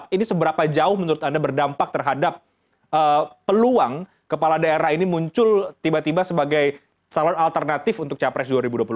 ini seberapa jauh menurut anda berdampak terhadap peluang kepala daerah ini muncul tiba tiba sebagai calon alternatif untuk capres dua ribu dua puluh empat